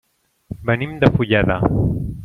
Venim de Fulleda.